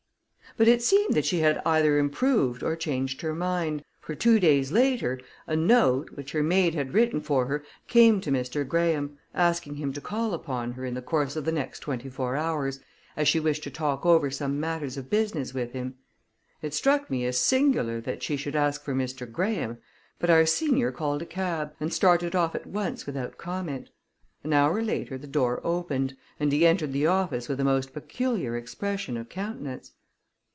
But it seemed that she had either improved or changed her mind, for two days later a note, which her maid had written for her, came to Mr. Graham, asking him to call upon her in the course of the next twenty four hours, as she wished to talk over some matters of business with him. It struck me as singular that she should ask for Mr. Graham, but our senior called a cab, and started off at once without comment. An hour later, the door opened, and he entered the office with a most peculiar expression of countenance.